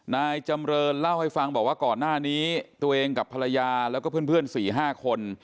นายจำเรินเล่าให้ฟังบอกว่าก่อนหน้านี้ตัวเองกับภรรยาแล้วก็เพื่อน๔๕คน